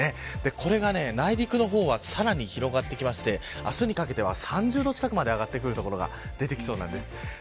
これが内陸の方はさらに広がってきまして明日にかけては３０度近くまで上がってくる所が出てきそうです。